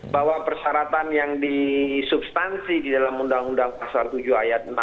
bahwa persyaratan yang disubstansi di dalam undang undang pasal tujuh ayat enam